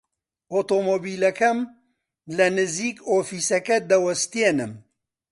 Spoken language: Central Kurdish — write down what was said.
ئۆتۆمۆمبیلەکەم لە نزیک ئۆفیسەکە دەوەستێنم.